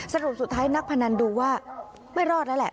สรุปสุดท้ายนักพนันดูว่าไม่รอดแล้วแหละ